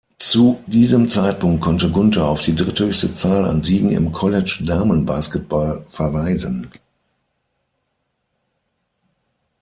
Zu diesem Zeitpunkt konnte Gunter auf die dritthöchste Zahl an Siegen im College-Damenbasketball verweisen.